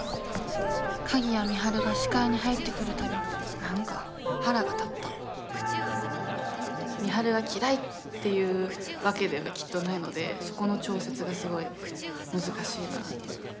鍵谷美晴が視界に入ってくるたび何か腹が立った美晴が嫌いっていうわけではきっとないのでそこの調節がすごい難しいなと。